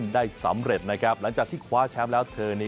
ได้สำเร็จนะครับหลังจากที่คว้าแชมป์แล้วเธอนี้